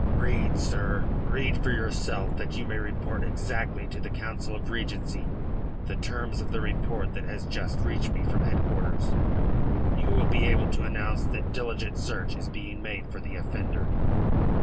"Read, sir read for yourself, that you may report exactly to the Council of Regency the terms of the report that has just reached me from headquarters. You will be able to announce that diligent search is being made for the offender."